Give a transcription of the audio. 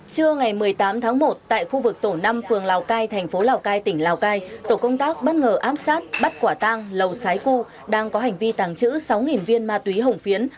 trưa ngày một mươi tám tháng một tại khu vực tổ năm phường lào cai thành phố lào cai tỉnh lào cai tổ công tác bất ngờ áp sát bắt quả tang lầu sái cu đang có hành vi tàng trữ sáu viên ma túy hồng phiến